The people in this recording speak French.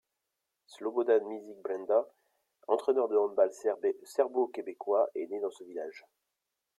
Slobodan Misic-Brenda, entraîneur de handball serbo-québécois, est né dans ce village.